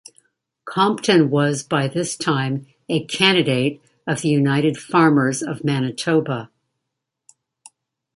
Compton was by this time a candidate of the United Farmers of Manitoba.